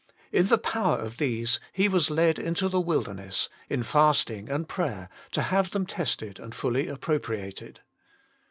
In the power of these He was led into the wilderness, in fasting and prayer to have them tested and fully appro priated.